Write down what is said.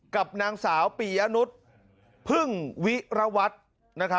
กับนางสาวปียะนุษย์พึ่งวิรวัตร